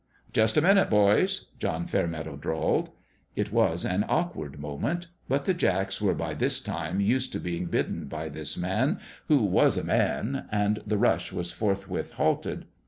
" Just a minute, boys !" John Fairmeadow drawled. It was an awkward moment: but the jacks were by this time used to being bidden by this man who was a man, and the rush was forthwith halted.